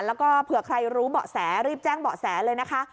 แล้วก็เผื่อใครรู้เบาะแสรีบแจ้งเบาะแสเลยนะคะ